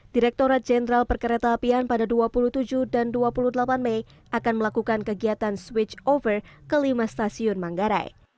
direkturat jenderal perkereta apian pada dua puluh tujuh dan dua puluh delapan mei akan melakukan kegiatan switch over kelima stasiun manggarai